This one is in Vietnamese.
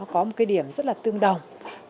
có một điểm rất tương đồng